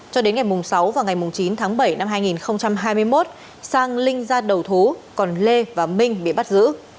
cho đến ngày sáu và ngày chín tháng bảy năm hai nghìn hai mươi một sang linh ra đầu thú còn lê và minh bị bắt giữ